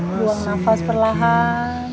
buang nafas perlahan